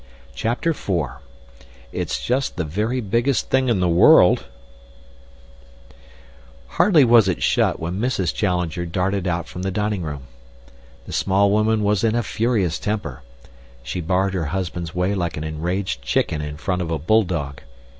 CHAPTER IV "It's Just the very Biggest Thing in the World" Hardly was it shut when Mrs. Challenger darted out from the dining room. The small woman was in a furious temper. She barred her husband's way like an enraged chicken in front of a bulldog.